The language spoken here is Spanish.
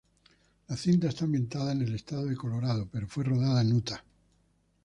La cinta está ambientada en el Estado de Colorado pero fue rodada en Utah.